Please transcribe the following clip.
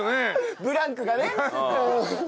ブランクがね。